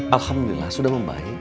alhamdulillah sudah membaik